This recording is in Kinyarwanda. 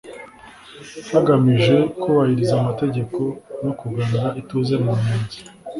hagamijwe kubahiriza amategeko no kugarura ituze mu mpunzi